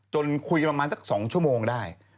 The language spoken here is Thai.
คุยกันประมาณสัก๒ชั่วโมงได้